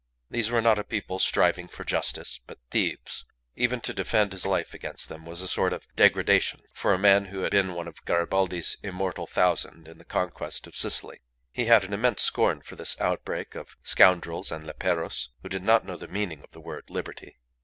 These were not a people striving for justice, but thieves. Even to defend his life against them was a sort of degradation for a man who had been one of Garibaldi's immortal thousand in the conquest of Sicily. He had an immense scorn for this outbreak of scoundrels and leperos, who did not know the meaning of the word "liberty."